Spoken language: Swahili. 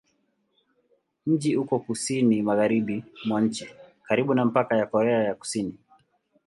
Mji uko kusini-magharibi mwa nchi, karibu na mpaka na Korea ya Kusini.